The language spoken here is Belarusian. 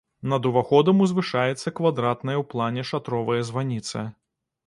Над уваходам узвышаецца квадратная ў плане шатровая званіца.